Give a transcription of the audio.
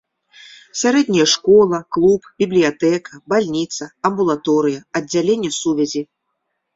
Сярэдняя школа, клуб, бібліятэка, бальніца, амбулаторыя, аддзяленне сувязі.